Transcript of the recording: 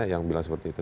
yang bilang seperti itu